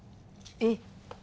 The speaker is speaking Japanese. えっ！